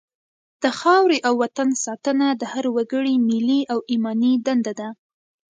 د خاورې او وطن ساتنه د هر وګړي ملي او ایماني دنده ده.